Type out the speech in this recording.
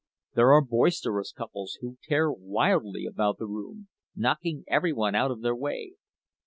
There are boisterous couples, who tear wildly about the room, knocking every one out of their way.